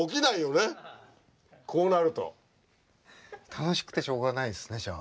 楽しくてしょうがないですねじゃあ。